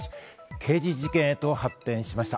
刑事事件へと発展しました。